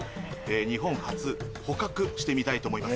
日本初捕獲してみたいと思います。